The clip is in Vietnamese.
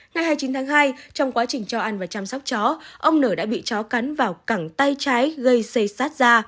ngày hai mươi chín tháng hai trong quá trình cho ăn và chăm sóc chó ông nở đã bị chó cắn vào cẳng tay trái gây xây sát da